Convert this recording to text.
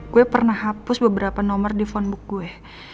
gue pernah hapus beberapa nomor di phonebook gue